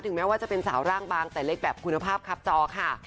แม้ว่าจะเป็นสาวร่างบางแต่เล็กแบบคุณภาพครับจอค่ะ